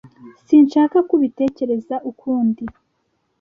Sinshaka ko ubitekereza ukundi